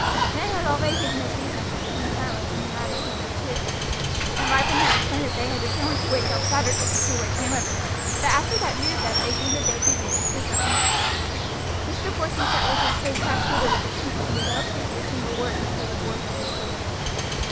Ned had already given his reason for keeping silence in the matter hitherto, and Ripon now explained that they had determined to wait till Saturday to see what came of it, but that after that new theft they deemed it their duty to speak at once. Mr. Porson sat with his face half shaded with his hand and without speaking a single word until the boys had concluded.